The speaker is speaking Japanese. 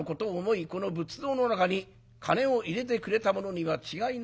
この仏像の中に金を入れてくれたものには違いない。